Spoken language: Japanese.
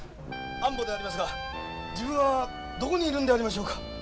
安保でありますが自分はどこにいるんでありましょうか？